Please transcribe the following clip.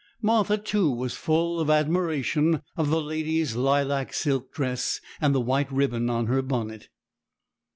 Martha, too, was full of admiration of the lady's lilac silk dress and the white ribbon on her bonnet.